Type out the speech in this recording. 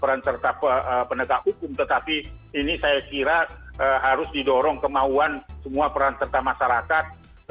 peran serta penegak hukum tetapi ini saya kira harus didorong kemauan semua peran serta masyarakat